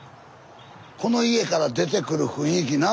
この家から出てくる雰囲気な。